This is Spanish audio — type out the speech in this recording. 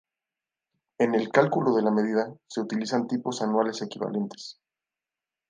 En el cálculo de la media se utilizan tipos anuales equivalentes.